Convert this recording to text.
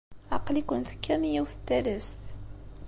Aql-iken tekkam i yiwet n talast.